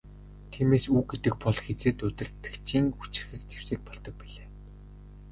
Тиймээс үг гэдэг бол хэзээд удирдагчийн хүчирхэг зэвсэг болдог билээ.